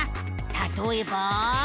たとえば。